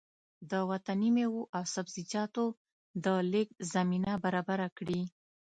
د وطني مېوو او سبزيجاتو د لېږد زمينه برابره کړي